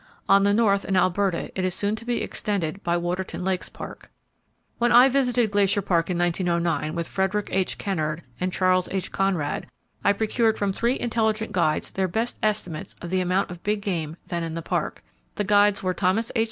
On the north, in Alberta, it is soon to be extended by Waterton Lakes Park. When I visited Glacier Park, in 1909, with Frederick H. Kennard and Charles H. Conrad, I procured from three intelligent guides their best estimates of the amount of big game then in the Park. The guides were Thomas H.